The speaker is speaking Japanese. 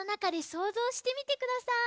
そうぞうしてください。